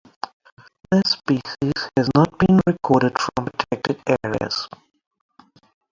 This species has not been recorded from protected areas.